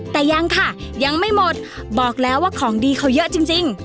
แต่ยังค่ะยังไม่หมดบอกแล้วว่าของดีเขาเยอะจริง